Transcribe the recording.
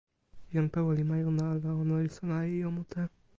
jan Pewe li majuna la ona li sona e ijo mute.